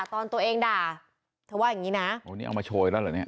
ตอนตัวเองด่าเธอว่าอย่างงี้นะโอ้นี่เอามาโชยแล้วเหรอเนี่ย